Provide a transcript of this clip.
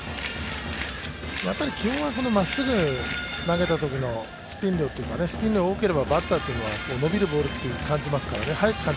基本はまっすぐ投げたときのスピン量というか、スピンが多ければ、バッターは伸びるボールと、速く感じますからね。